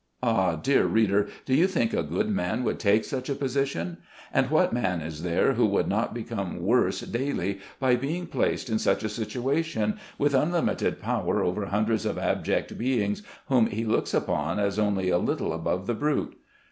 Ah, dear reader, do you think a good man would take such a position ? And what man is there who would not become worse daily by being placed in such a situa tion, with unlimited power over hundreds of abject beings whom he looks upon as only a little above the brute